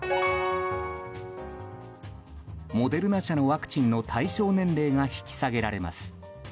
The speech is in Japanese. モデルナ社のワクチンの対象年齢が引き下げられます。